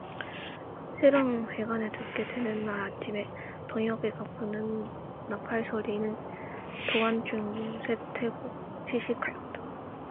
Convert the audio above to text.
새로운 회관에 들게 되는 날 아침에 동혁이가 부는 나팔 소리는 더한층 새되고 씩씩하였다.